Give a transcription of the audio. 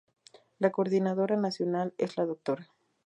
La coordinadora nacional es la Dra.